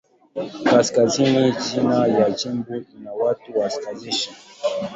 Kaskazini ya jimbo ina watu wachache.